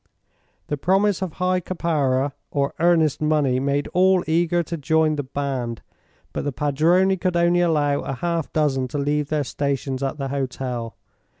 The promise of high caparra or earnest money made all eager to join the band, but the padrone could only allow a half dozen to leave their stations at the hotel.